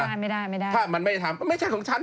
ไม่ได้ไม่ได้ถ้ามันไม่ได้ทำก็ไม่ใช่ของฉัน